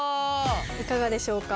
いかがでしょうか。